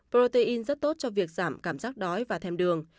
protein rất tốt cho việc giảm cảm giác đói và thèm đường